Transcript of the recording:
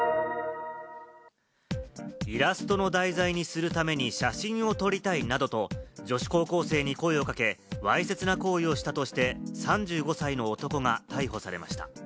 イラストの題材にするために写真を撮りたいなどと、女子高校生に声をかけ、わいせつな行為をしたとして３５歳の男が逮捕されました。